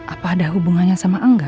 apa ada hubungannya sama enggak